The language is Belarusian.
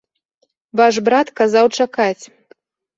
Ваш брат казаў чакаць.